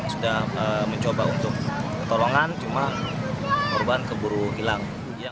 sudah mencoba untuk pertolongan cuma korban keburu hilang